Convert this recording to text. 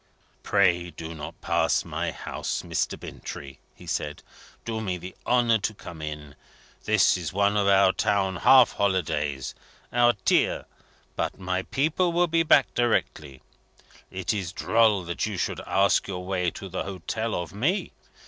"Pray do not pass my house, Mr. Bintrey," he said. "Do me the honour to come in. It is one of our town half holidays our Tir but my people will be back directly. It is droll that you should ask your way to the Hotel of me.